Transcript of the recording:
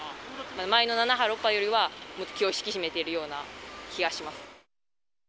前の７波、６波よりは気を引き締めているような気がします。